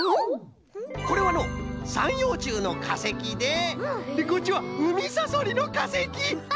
これはのうさんようちゅうのかせきででこっちはウミサソリのかせき。